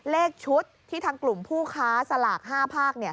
เลขชุดที่ทางกลุ่มผู้ค้าสลาก๕ภาค